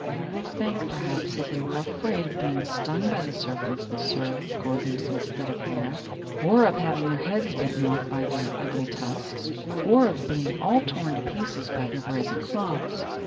You will think, perhaps, that they were afraid of being stung by the serpents that served the Gorgons instead of hair or of having their heads bitten off by their ugly tusks or of being torn all to pieces by their brazen claws.